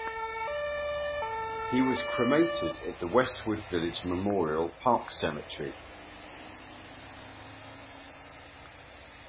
He was cremated at the Westwood Village Memorial Park Cemetery.